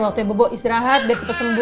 waktu bobo istirahat dan cepet sembuh ya